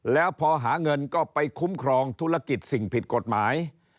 แล้วพอหาเงินก็ไปคุ้มครองธุรกิจสิ่งผิดกฎหมาย